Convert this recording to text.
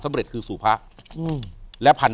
อยู่ที่แม่ศรีวิรัยิลครับ